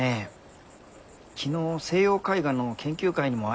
昨日西洋絵画の研究会にも挨拶してきたんですよ。